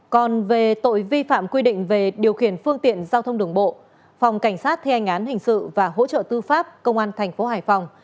còn về tội vi phạm quy định về điều khiển phương tiện giao thông đường bộ phòng cảnh sát thi hành án hình sự và hỗ trợ tư pháp công an thành phố hải phòng